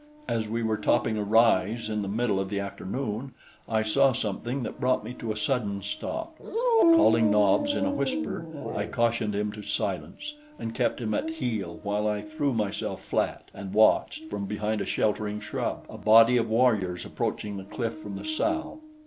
As we were topping a rise in the middle of the afternoon, I saw something that brought me to a sudden stop. Calling Nobs in a whisper, I cautioned him to silence and kept him at heel while I threw myself flat and watched, from behind a sheltering shrub, a body of warriors approaching the cliff from the south.